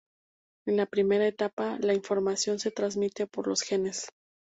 En la primera etapa, la información se transmite por los genes.